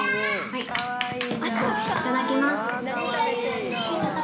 はいいただきます。